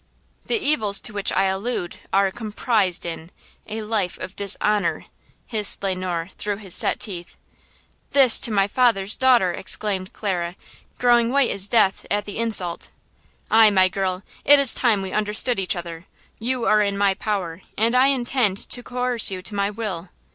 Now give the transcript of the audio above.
"The evils to which I allude are–comprised in–a life of dishonor!" hissed Le Noir through his set teeth. "This to my father's daughter!" exclaimed Clara, growing white as death at the insult. "Aye, my girl! It is time we understood each other. You are in my power, and I intend to coerce you to my will!"